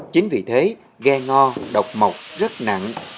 chính vì thế ghe ngò độc mộc rất nặng